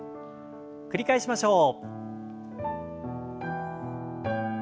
繰り返しましょう。